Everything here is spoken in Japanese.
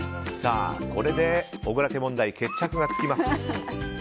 これで小倉家問題決着がつきます。